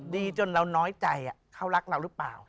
ดีจนเราน้อยใจเขารักเราหรือเปล่า